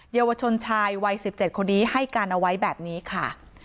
เยาวชนชายวัย๑๗คนนี้ให้การเอาไว้แบบนี้ค่ะ